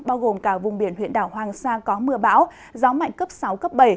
bao gồm cả vùng biển huyện đảo hoàng sa có mưa bão gió mạnh cấp sáu cấp bảy